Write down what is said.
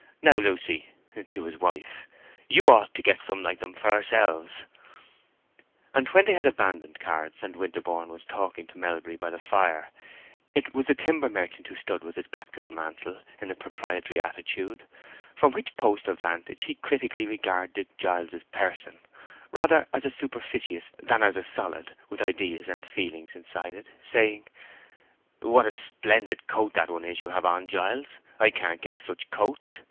Now, Lucy" (to his wife), "you ought to get some like them for ourselves." And when they had abandoned cards, and Winterborne was talking to Melbury by the fire, it was the timber merchant who stood with his back to the mantle in a proprietary attitude, from which post of vantage he critically regarded Giles's person, rather as a superficies than as a solid with ideas and feelings inside it, saying, "What a splendid coat that one is you have on, Giles! I can't get such coats.